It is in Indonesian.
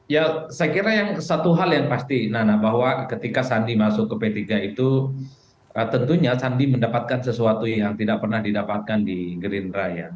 ya saya kira yang satu hal yang pasti nana bahwa ketika sandi masuk ke p tiga itu tentunya sandi mendapatkan sesuatu yang tidak pernah didapatkan di gerindra ya